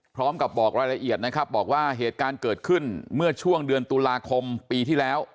พร้อมกับบอกรายละเอียดนะครับบอกว่าเหตุการณ์เกิดขึ้นเมื่อช่วงเดือนตุลาคมปีที่แล้ว